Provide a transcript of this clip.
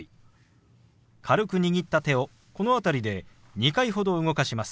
軽く握った手をこの辺りで２回ほど動かします。